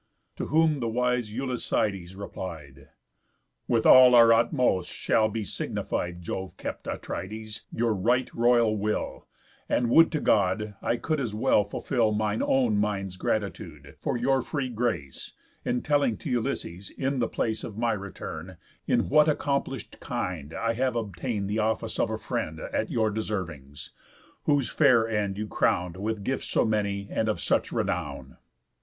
To whom the wise Ulyssides replied: "With all our utmost shall be signified, Jove kept Atrides, your right royal will; And would to God, I could as well fulfill Mine own mind's gratitude, for your free grace, In telling to Ulysses, in the place Of my return, in what accomplish'd kind I have obtain'd the office of a friend At your deservings; whose fair end you crown With gifts so many, and of such renown!"